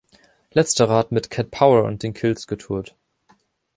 Letzterer hat mit Cat Power und den Kills getourt.